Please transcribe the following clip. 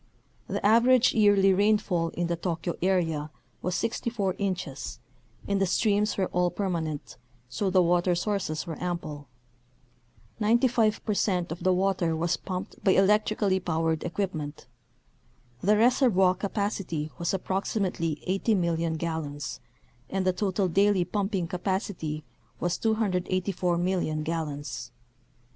The average yearly rainfall in the Tokyo area was 64 inches and the streams were all permanent, so the water sources were ample. Ninety five percent of the water was pumped by electrically powered equipment. The reservoir capacity was approximately 80,000,000 gallons and the total daily pumping capacity was 284,000,000 gallons.